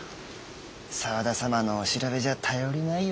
沢田様のお調べじゃ頼りないよなあ。